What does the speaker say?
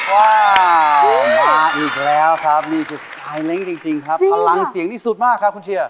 ว่ามาอีกแล้วครับนี่คือสไตลเล้งจริงครับพลังเสียงนี่สุดมากครับคุณเชียร์